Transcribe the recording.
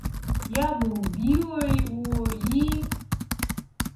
Я бы убила его и...